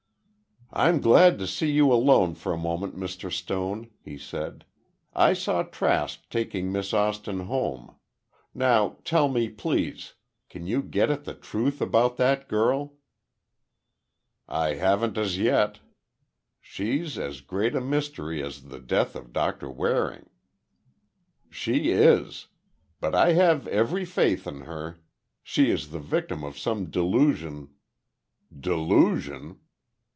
"I'm glad to see you alone for a moment, Mr. Stone," he said. "I saw Trask taking Miss Austin home. Now, tell me, please, can you get at the truth about that girl?" "I haven't as yet. She's as great a mystery as the death of Doctor Waring." "She is. But I have every faith in her. She is the victim of some delusion—" "Delusion?"